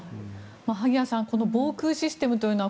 萩谷さん防空システムというのは